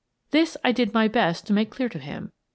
This I did my best to make clear to him.